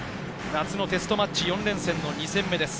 夏のテストマッチ、４連戦の２戦目です。